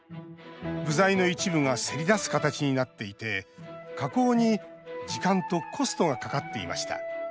部材の一部がせり出す形になっていて加工に、時間とコストがかかっていました。